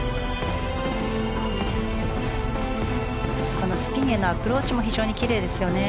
このスピンへのアプローチも非常にきれいですよね。